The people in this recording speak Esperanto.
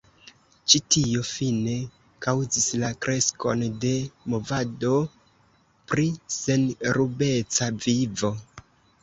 Ĉi tio fine kaŭzis la kreskon de movado pri senrubeca vivo.